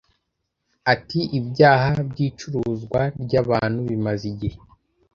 Ati “ Ibyaha by’icuruzwa ry’abantu bimaze igihe